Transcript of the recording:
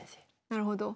なるほど。